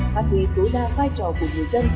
phát huy tối đa vai trò của người dân